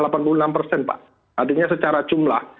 artinya secara jumlah